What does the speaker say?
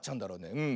うん。